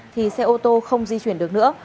thì xe ô tô không di chuyển được nữa